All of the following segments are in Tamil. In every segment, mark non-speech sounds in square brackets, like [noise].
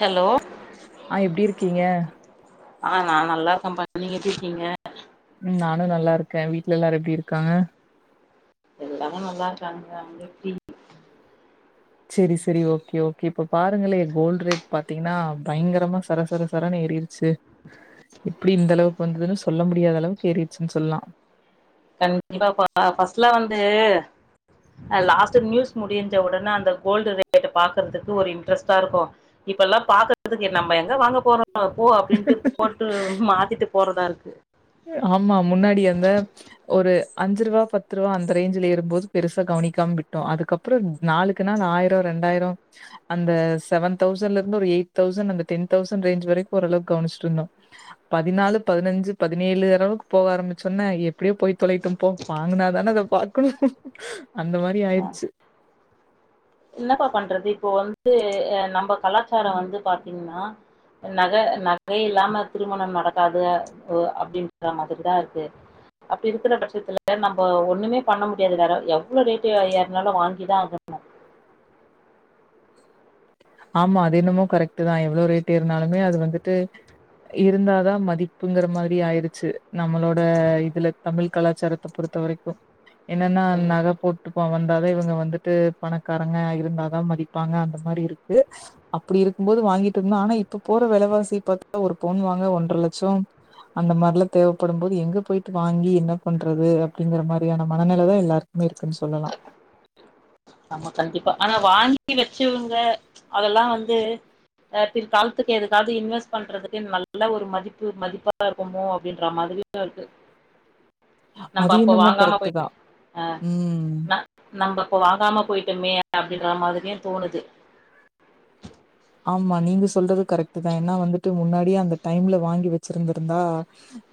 ஹலோ ஆ எப்டி இருக்கீங்க ஆ நா நல்லா இருக்கபா நீங்க எப்டி இருக்கீங்க ம் நானும் நல்லா இருக்க வீட்ல எல்லாரும் எப்டி இருக்காங்க எல்லாரும் நல்லா இருக்காங்க கா நீங்க எப்டி சேரி சேரி ஓகே ஓகே இப்போ பாருங்கலே கோல்டு் ரேட் பாத்தீங்கனா பயங்கரமா சர சர சரனு ஏரி சி எப்டி இந்த அளவுக்கு வந்ததுனு சொல்ல முடியாத அளவுக்கு ஏறிடுச்சுனு சொல்லலாம் கண்டிப்பா பா ஃபஸ்ட்ல வந்து அ லாஸ்ட்டா நியூஸ் முடிஞ்ச உடனே அந்த கோல்டு ரேட்ட பாக்குறதுக்கு ஒரு இன்ட்ரெஸ்ட்டா இருக்கும் இப்பெல்லா பாக்குறதுக்கு நம்ம எங்க வாங்க போறோம் போ அப்டின்ட்டு போட்டு மாத்திட்டு போறதா இருக்கு ஆமா முன்னாடி அந்த ஒரு அஞ்சுரூவா பத்துரூவா அந்த ரேஞ்சுல ஏறும் போது பெருசா கவனிக்காம விட்டோம் அதுக்கப் றம் நாளுக்கு நாள் ஆயிரம் ரெண்டாயிரம் அந்த செவன் தௌசண்ட்ல இருந்து ஒரு எயிட் தௌசண்ட் அந்த டென் தௌசண்ட் ரேஞ்ச் வரைக்கும் ஓரளவுக்கு கவனிச்சிட்டு இருந்தோம் பதினாலு பதினஞ்சு பதினேழு அளவுக்கு போக ஆரம்பிச்சோன எப்டியோ போய் தொலையட்டும் போ வாங்குனா தான அத பாக்கணும் அந்த மாரி அஹ் ஆயிருச்சு என்னப்பா பண்றது இப்போ வந்து நம்ப கலாச்சாரம் வந்து பாத்தீங்கனா நக நகை இல்லாம திருமணம் நடக்காது ஓ அப்டின்டாங்க அதுக்கு தா இருக்கு அப்டி இருக்குற பட்சத்துல நம்ப ஒண்ணுமே பண்ண முடியாது வேறம் எவ்ளோ ரேட்டு ஏருனாலும் வாங்கி தா ஆகனும் ஆமா அது இன்னமும் கரெக்ட் தான் எவ்ளோ ரேட்டு் ஏருனாலுமே அது வந்துட்டு இருந்தாதா மதிப்புங்குற மாரி ஆயிருச்சு நம்மளோட இதுல தமிழ் கலாச்சாரத்த பொறுத்த வரைக்கும் என்னன்னா ஆகணும் நகை போ ப்ப வந்தாவே இவங்க வந்துட்டு பணக்காரங்க இருந்தாதான் மதிப்பாங்க அந்த மாரி இருக்கு அப்படி இருக்கும் போது வாங்கிட்டு இருந்தோ ஆனா இப்ப போற விலைவாசி பாத்தா ஒரு பவுன் வாங்க ஒன்ற லட்சம் அந்த மாரிலாம் தேவைப்படும் போது எங்க போயிட்டு வாங்கி என்ன பண்றது அப்படிங்கிற மாரியான மனநிலைதான் எல்லாருக்கும் இருக்குன்னு சொல்லலாம் ஆமா கண்டிப்பா ஆனா வாங்கி வச்சவங்க அதெல்லாம் வந்து பிற்காலத்துக்கு எதுக்காவது இன்வெஸ்ட் பண்றதுக்கு நல்ல மதிப்பு மதிப்பா இரு கும்மோ அப்டின்றறா மாதுரியா இருக்கு அது என்னமோ வாங்காம கரெக்ட்டுதா ம் நம்ப அப்ப வாங்காம பொய்ட்டோமே அப்டின்றா மாதுரியு தோணுது ஆமா நீங்க சொல்றது கரெக்ட் தா ஏன்னா வந்துட்டு முன்னாடியே அந்த டைம்ல வாங்கி வச்சிருந்துருந்தா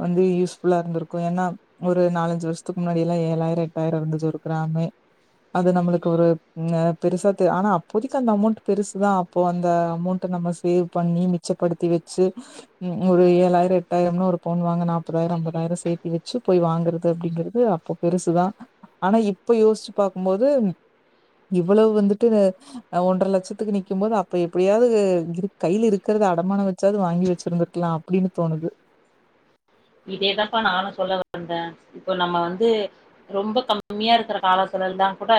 வந்து யூஸ்ஃபுல்லா இருந்துருக்கு ஏன்னா ஒரு நாலஞ்சு வர்ஷத்துக்கு முன்னாடி எல்லா ஏழாயிர எட்டாயிர இர்ந்துச்சு கிராமே அது நம்மளுக்கு ஒரு ந பெருசா தெ ஆனா அப்போதிக்கு அந்த அமோண்ட் பெருசுதா அப்போ அந் த அமௌண்ட்டு நம்ம சேவ் பண்ணி மிச்சப்படுத்தி வெச்சு ம் ஒரு ஏழாயிர எட்டாயிரம்னா ஒரு பவுன் வாங்க நாப்பதாயர ஐம்பதாயர சேத்தி வச்சு பொய் வாங்குறது அப்டின்றது அப்போ பெருசுதா ஆனா இப்ப யோஸ்ச்சி பாக்குமோது இவ்வளவ் வந்துட்டு அ ஒன்ற லட்சத்துக் நிக்கிகும்போது அப் இப்ப எப்புடியாவுது இரு கைல இருக்குறத அடமான வச்சாவ்து வாங்கி வச்சிருந்துருக்லா அப்டின்னு தோணுது இதேதாம்ப்பா நானு சொல்ல வந்த இப்போ நம்ம வந்து ரொம்ப கம்மியா இருக்குற காலத்துலந்தா குட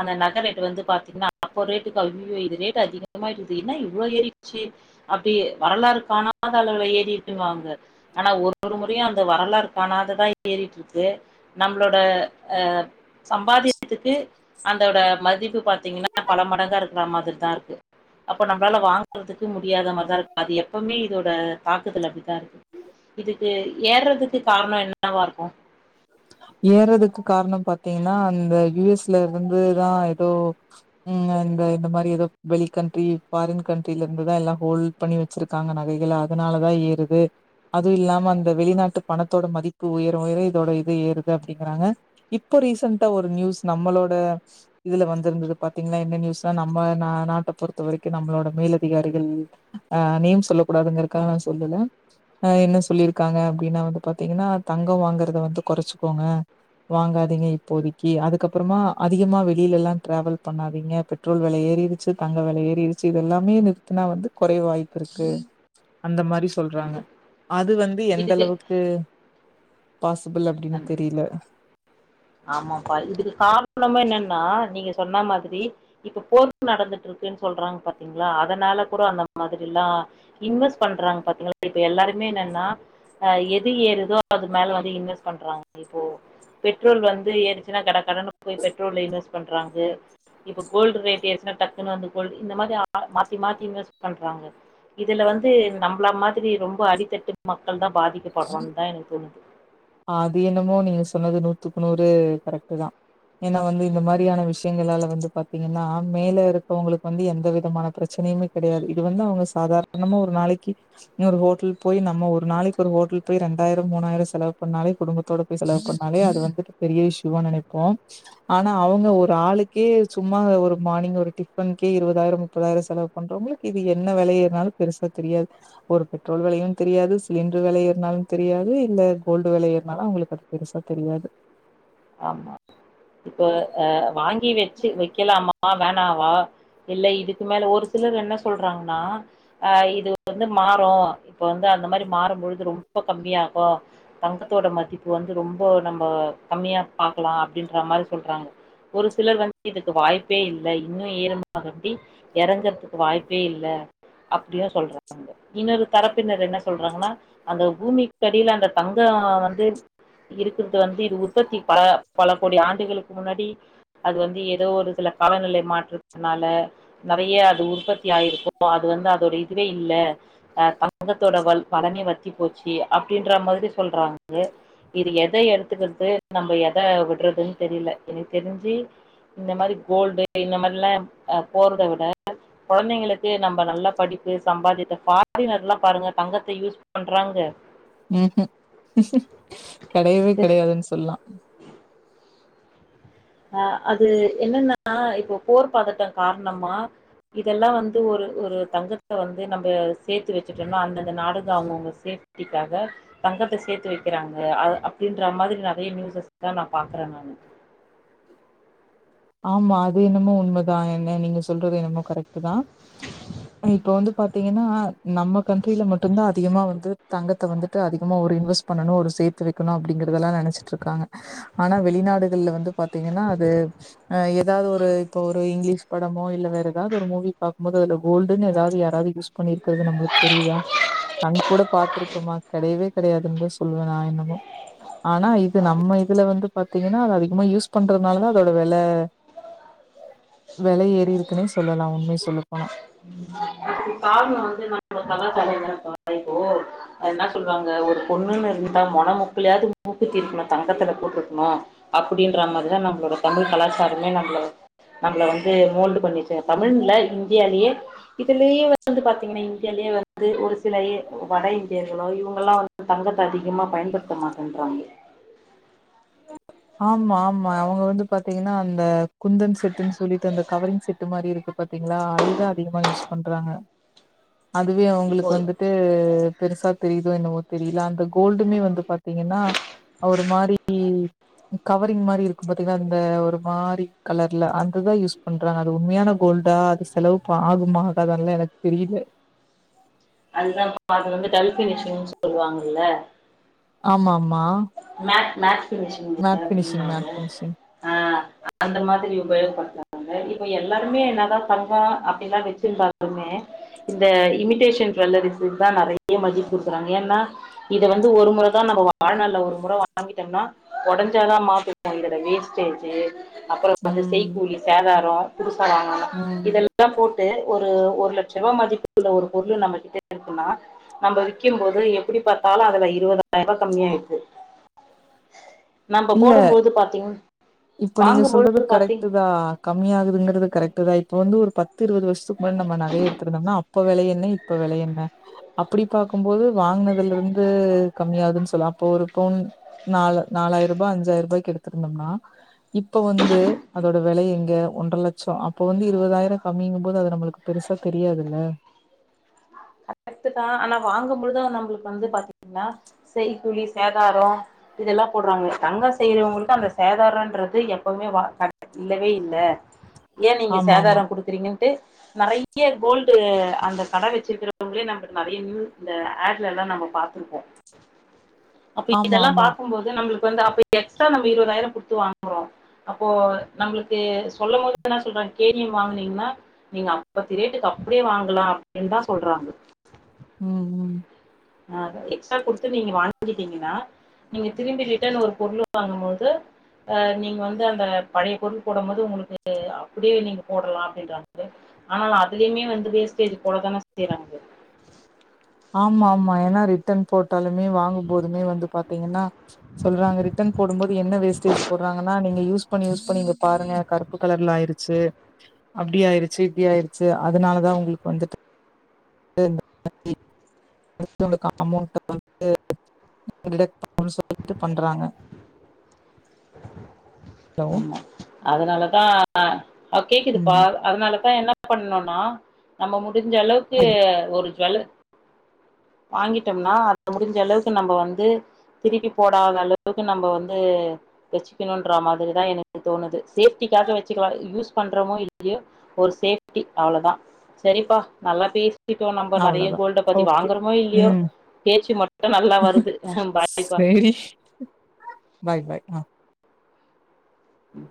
அந்த நக ரேட்டு வந்து பாத்தீங்ன்னா அப்போ ரேட்டுக்கு ஐயுயோ இது ரேட் அதிகமாயிட்டுது என்ன இவ்ளோ ஏறிட்ச்சு அப்டி வரலாறுக்கானாத அளவுல ஏறிட்டுன்னுவாங்க ஆனா ஒரு ஒரு முறயு அந்த வரலாறு காணாததா ஏறிட்ருக்கு நம்ளோட அ சம்பாதியத்துக்கு அந்தோட மதிப்பு பாத்தீங்ன்னா பல மடங்கா இருக்குறா மாதுர்தா இருக்கு அப்ப நம்ப்ளால வாங்குற்துக்கு முடியாத மார்தா இருக்கு அது எப்பவுமே இதோட தாக்குதல் அப்டித்தா இருக்கு இதுக்கு ஏற்றதுக்கு கார்ணோ என்னவா இருக்கு ஏறதுக்கு காணோ பாத்தீங்கன்னா அந்த யுஎஸ்ல இருந்துதா எதோ உ இந்த இந்த மாரி எதோ வெளி கண்ட்ரி ஃபாரின் கண்ட்ரில இருந்துதா எல்லா ஹோல் பண்ணி வச்சிருக்காங்க நகைகள அதனாலதா ஏறுது அது இல்லாம அந்த வெளிநாட்டு பணத்தோட மதிப்பு உயர உயர இதோட து ஏறுது அப்டிங்குறாங்க இப்ப ரீசண்டா ஒரு நியூஸ் நம்மளோட இதுல வந்துருந்துது பாத்தீங்ன்னா என்ன நியூஸ்னா நம்ம நா நாட்ட பொறுத்த வரிக்கு நம்புளோட மேல் அதிகாரிகள் ஆ நேம் சொல்ல கூடாதுங்ற்ரக்கா நா சொல்லுல அ என்ன சொல்லிருக்காங்க அப்டின்னா வந்து பாத்தீங்கன்னா தங்கோ வாங்கற்த வந்து கொறச்சுக்கோங்க வாங்காதீங்க இப்போதிக்கு அதுக்கப்றமா அதிகமா வெளியிலல்லா ட்ரேவல் பண்ணாதீங்க பெட் ட்ரோல் வெல ஏறிறுச்சு தங்க வெல ஏறிறுச்சு இதெல்லாமே நிற்த்துனா வந்து கொறைய் வாய்ப்புருக்கு அந்த மாரி சொல்றாங்க கண்டிப்பா அது வந்து இதுக்கு எந்தளவுக்கு பில் அப்டின் நன்றி தெரிய்ல ஆமாப்பா இதுக்கு கார்ணம் என்னன்னா நீங்க சொன்னா மாதுரி இப்ப போர் நடந்துட்ருக்குன் சொல்றாங் பாத்தீங்ளா அதனால கூட அந்த மாதுரில்லா இன்வஸ் பண்றீங் பாத்தீங்களா இப்ப எல்லாருமே என்னன்னா அஹ எது ஏறுதோ அது மேல வந்து இன்வெஸ்ட் பண்றாங் இப்போ ட்ரோல் வந்து ஏறுச்சினா கட கடகடன்னு போய் பெட்ரோல்ல ஈன்வெஸ் பண்றாங்கு இப்ப கோல்டு ரேட்டு எரிசுனா டக்குனு வந்த கோல்டு இந்த மாரி ஆ மாத்தி மாத்தி இன்வெஸ் பண்றாங்க இதுல வந்து நம்ப்ள மாதிரி ரொம்ப அடித்தட்டு மக்கள் தா பாதிக்கப்பட்றோன்தா எனக்கு தோணுது அது என்னமோ நீங்க சொன்னது நூத்துக்கு நூறு கரெக்ட்டுதா ஏன்னா வந்து இந்த மாரியான விஷ்யங்களால வந்து பாத்தீங்கன்னா மேல இருக்கவ்ங்களுக்கு வந்து எந்த விதமான பிரச்சனையுமே கெடையாது இது வந்து அவ்ங்க சாதார்ணமா ஒரு நாளைக்கி இன்ன ஒரு ஹோட்டல் போய் நம்ம ஒரு நாளைக் ஒரு ஹோட்டல் போய் ரெண்டாயர மூணாயர செலவ் பொண்ணாலே குடும்பத்தோட போய் செலவு பண்ணனாலே அது வந்துட்டு பெரிய இஷ்ஷுவா நெனைப்போ ஆனா அவங்க ஒரு ஆளுக்கே சும்மா ஒரு மார்னிங் ஒரு டிஃபன்கே இருவதாயர முப்பதாயர செலவ் பண்றவங்களுக்கு இது என்ன வெலை ஏறுனாலு பெருசா தெரியாது ஒரு பெட்ரோல் வெலையு தெரியாது சிலிண்டர் வெலை ஏறுனாலு தெரியாது இல்ல கோல்டு வெலை ஏறுனாலு அவுங்களுக்கு அது பெருசா தெரியாது ஆமா இப்ப அ வாங்கி வச்சு வைக்கலாமா வேணாவா இல்ல இதுக்கு மேல ஒரு சிலர் என்ன சொல்றாங்கன்னா அ இது வந்து மாறு இப்ப வந்து அந்த மாரி மாறம்பொழுது ரொம் ப கம்மியாகு தங்கத்தோட மதிப்பு வந்து ரொம்போ நம்ம கம்மியா ஆகலா அப்டின்ற மாரி சொல்றாங்க ஒரு சிலர் வந்து இதுக்கு வாய்ப்பே இல்ல இன்னு ஈரமாகண்டி எறங்கறதுக்கு வாய்ப்பே இல்ல அப்டியு சொல்றாங்க இன்னோரு தரப்பினர் என்ன சொல்றாங்கன்னா அந்த பூமி கடில அந்த தங்க வந்து இருக்கறது வந்து இது உற்பத்தி ப பல கோடி ஆண்டுகளுக்கு முன்னாடி அது வந்து ஏதோ ஒரு சில காலநிலை மாற்றத்துனால நெறையா அது உற்பத்தி ஆயிருக்கு அது வந்து அதோட இதுவே இல்ல அ தங்கத்தோட வள் வளமே வத்தி போச்சி அப்டின்ற மாதிரி சொல்றாய்ங்க இது எத எடுத்துக்கறது நம்ம எத விட்றதுன்னு தெரில எனக்கு தெருஞ்சு இந்த மாரி கோல்டு இந்த மாதிரிலா அ போறத விட கொழந்தைங்களுக்கு நம்ப நல்ல படிப்பு சம்பாதியத்த பார்டினர்ல்லா பாருங்க தங்கத்த யூஸ் பண்றாங்க ம்ஹூ கெடையவே கெடையாதுன் சொல்லா அ அது என்னனா இப்போ போர் பதட்டோ காரணமா இதல்லா வந்து ஒரு ஒரு தங்கத்த வந்து நம்ப சேத்து வச்சுட்டம்னா அந்தந்த நாடுக அவங்கவுங்க சேஃப் பிதாக தங்கத்த சேத்து வைக்கிறாங்க அ அப்டின்ற மாதிரி நெறைய நியூசஸ் தா நா பாக்குறே நானு ஆமா அது என்னமோ உண்மதா என்ன நீங்க சொல்றது என்னமோ கரெக்ட்டு தா இப்ப வந்து பாத் பாத்தீங்கன்னா நம்ம கண்ட்ரில மட்டுந்தா அதிகமா வந்து தங்கத்த வந்துட்டு அதிகமா ஒரு இன்வஸ்ட் பண்ணணு ஒரு சேத்து வைக்கணு அப்டிங்கறதல்லா நெனச்சுட்ருக்காங்க ஆனா வெளிநாடுகள்ல வந்து பாத்தீங்கன்னா அது அ எதாவது ஒரு இப்ப ஒரு இங்லீஷ் படமோ இல்ல வேற எதாவது ஒரு மூவி பாக்கும்போது அதுல கோல்டுன்னு ஏதாவது யாராவது யூஸ் பண்ணிருக்கறது நம்மளுக்கு தெரிதா கண் கூட பாத்துருக்கமா கெடையவே கெடையாதுன்தா சொல்வே நா என்னமோ ஆனா இது நம்ம இதுல வந்து பாத்தீங்கன்னா அது அதிகமா யூஸ் பண்றதுனாலதா அதோட வெல வெல ஏறிற்குன்னே சொல்லலா உண்மய சொல்ல போனா [unintelligible] அது காரணொ வந்து [unintelligible] என்னா சொல்றாங்க ஒரு பொண்ணுன்னு இருந்தா மொன மூக்குலயாவது மூக்குத்தி இருக்கணு தங்கத்துல போட்ருக்கணு அப்டின்ற மாரிதா நம்மளோட தமிழ் கலாச்சாரமே நம்மள வந்து நம்மள வந்து மோல்டு பண்ணி வச்சாங்க தமிழ்னு இல்ல இந்தியாலயே இதுலயை வந்து பாத்தீங்கன்னா இந்தியாலயே வந்து ஒரு சில எ வட இந் யுனு இவ்கல்லா வந்து தங்கத்த அதிகமா பயன்படுத்த மாட்டேன்றாங்க ஆமா ஆமா அவுங்க வந்து பாத்தீங்கன்னா அந்த குந்தன் செட்டுன்னு சொல்லிட்டு அந்த கவரிங் செட்டு மாரி இருக்கு பாத்தீங்களா அதேதா அதிகமா யூஸ் பண்றாங்க அதுவே இப்போ அவுங்களுக்கு வந்துட்டு பெருசா தெரியுதோ என்னவோ தெரியல அந்த கோல்டுமே வந்து பாத் தீங்கன்னா ஒரு மாரி கவரிங் மாரி இருக்கு பாத்தீங்களா அந்த ஒரு மாரி கலர்ல அதுதா யூஸ் பண்றாங்க அது உண்மையான கோல்டா செலவு ப ஆகுமா ஆகாதல்லா எனக்கு தெரியல அதுதான் பா அது வந்து டல்பினிஷினு சொல்லுவாங்கில்ல ஆமா ஆமா மேத் மேத் மேட்ஃபினிஷிங் மேட்ஃபினிஷிங் ஆ, அந்த மாரி உபயோகப்படுத்தலா இப்ப எல்லாருமே என்ன தா தங்கோ அப்படில்லா வச்சிருந்தாலமே இந்த இமிடேஷன் ஜுவள்ளரிசக்கு தா நறையா மதிப்பு குடுக்குறாங்க ஏன்னா இத வந்து ஒரு முறை தா நம்ம வாழ்னால்ல ஒரு முறை வாங்கிட்டோம்னா ஒடஞ்சாதா மாத்தனு இந்த வேஸ்டேஜு அப்புறோ வந்து செய்க்கூலி சேதாரோ புதுசா வாங்க உம் போட்டு ஒரு ஒரு லட்சோ ரூபா மதிப்பு உள்ள ஒரு பொருள் நம்ம மதி இருக்குனா நம்ம விக்கும் போது எப்படி பாத்தாலு அதுல இருபதாயிரூபா கம்மி ஆருயிச்சு இல்ல பாத்தீங் இப்ப நீங்க சொல்றது வாங்கும்பொழுது பாத்தீங் கரெக்ட்டு தா கம்மியாகுதுங்கிறது கரெக்ட் தா இப்போ வந்து ஒரு பத்து இருபது வருசதுக்கு முன்னாடி நம்ம நகைய எடுத்திருந்தோம்னா அப்ப வெலை என்ன இப்ப வெலை என்ன அப்படி பாக்கும்போது வாங்கினதுல இருந்து கம்மியாதுன்னு சொல்லலா அப்ப ஒரு பவுன் நாலு நாலாயிர ரூபா அஞ்சாயிரூபாய்க்கு எடுத்திருந்தோம்னா இப்ப வந்து அதோட வெலை எங்க ஒன்ற லட்சோ அப்ப வந்து இருபதாயிரோ கம்மிங்கும்போது அத நம்மளுக்கு பெருசா தெரியாதுல்ல கரெக்ட்டு தா ஆனா வாங்கும் போது நம்மளுக்கு வந்து பாத்தீங்கன்னா செய்க்கூலி சேதாரோ இதெல்லா போடுறாங்க தங்க செய்யறவங்களுக்கு அந்த சேதாரோன்றது எப்பவுமே வ த இல்லவே இல்ல ஏ நீங்க ஆமா ஆமா சேதாரோ குடுக்குறீங்கன்ட்டு நெறைய கோல்டு அந்த கடை வச்சிருக்கங்க அதுளேயே நம்மக்கு நறைய நியூஸ் இந்த ஆட்ஸ் எல்லா நம்ம பாத்திருப்போ அப்ப ஆமா இதெல்லா ஆமா பாக்கும்போது நம்மளுக்கு வந்து அப்ப எக்ஸ்ட்ரா நம்ம இருபதாயிரோ குடுத்து வாங்குறோ அப்போ நம்மளுக்கு சொல்லும் போது என்ன சொல்றாங்க கேடிஎம் வாங்குனீங்கன்னா நீங்க அப்ப திரேட்டுக்கு அப்படியே வாங்கலா அப்படின்னு தா சொல்றாங்க உம் ஆ எக்ஸ்ட்ரா கொடுத்து நீங்க வாங்கிட்டீங்கன்னா நீங்க திரும்பி ரிடன் ஒரு பொருள் வாங்கும் போது அ நீங்க வந்து அந்த பழைய பொருள் போடும் போது உங்களுக்கு அப்படியே நீங்க போடலா அப்படின்றாங்க ஆ அதுலயுமே வந்து வேஸ்டேஜ் போட தான செய்றாங்க ஆமா ஆமா ஏன்னா ரிட்டன் போட்டாலுமே வாங்கும் போதுமே வந்து பாத்தீங்கன்னா சொல்றாங்க ரிட்டன் போடும் போது என்ன வேஸ்டேஜ் போடுறாங்கன்னா நீங்க யூஸ் யூஸ் பண்ணி யூஸ் பண்ணி இங்க பாருங்க கருப்பு கலர்ல ஆயிருச்சு அப்டி ஆடுயிருச்சு இப்படி ஆயிருச்சு அதனால தா உங்களுக்கு வந்துட்டு த்தி ஜெஸ்ட்டு உங்களுக்கு அமௌன்ட் வண்ட்டு டிடக்கட் முழுசா வந்துட்டு பண்றாங்க ஹலோ ஆமா அதனாலதா அ கேக்குது பா ம் அதனால தா என்ன பண்ணுணா நம்ம முடிஞ்ச அளவுக்கு சரி ஒரு ஜுவல் வாங்கிட்டோம்னா அது முடிஞ்ச அளவுக்கு நம்ம வந்து திருப்பி போடாத அளவுக்கு நம்ம வந்து வெச்சுக்கணுன்ற மாதிரிதா எனக்கு தோணுது சேஃப்டிக்காக வெச்சுக்கலா யூஸ் பண்றமோ இல்லையோ ஒரு சேஃப்டி அவ்ளோதா செரிப்பா நல்லா பேசிட்டோ நம்ப நெறைய அவ்ளோதா கோல்ட பத்தி ஓகே வாங்குறோ மோ இல்லையோ ம் பேச்சு மட்டு நல்லா வருது அ பாய்ப்பா இரி பாய் பாய் ஆ ம்